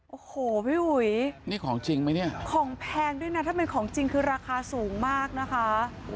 โอ้โหพี่อุ๋ยนี่ของจริงไหมเนี่ยของแพงด้วยนะถ้าเป็นของจริงคือราคาสูงมากนะคะ